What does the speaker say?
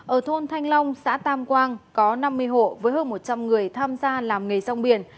ở thôn thanh long xã tam quang có năm mươi hộ với hơn một trăm linh người tham gia làm nghề rong biển